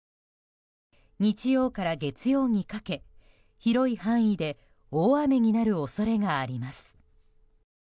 日曜から月曜にかけ、広い範囲で大雨になる恐れがあります。